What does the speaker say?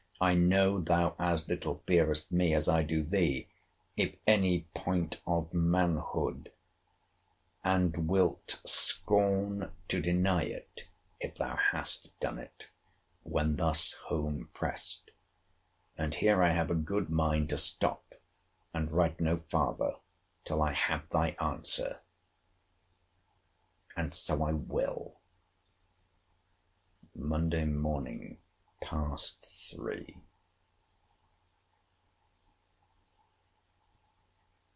I know thou as little fearest me, as I do thee, if any point of manhood; and wilt scorn to deny it, if thou hast done it, when thus home pressed. And here I have a good mind to stop, and write no farther, till I have thy answer. And so I will. MONDAY MORN. PAST THREE.